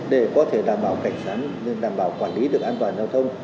để có thể đảm bảo cảnh sáng đảm bảo quản lý được an toàn giao thông